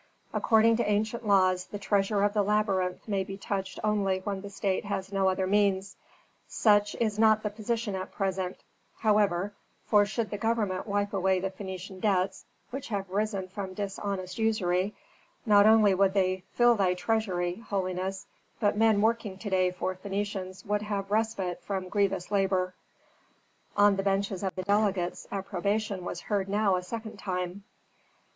"According to ancient laws the treasure of the labyrinth may be touched only when the state has no other means; such is not the position at present, however, for should the government wipe away the Phœnician debts, which have risen from dishonest usury, not only would they fill thy treasury, holiness, but men working to day for Phœnicians would have respite from grievous labor." On the benches of the delegates approbation was heard now a second time.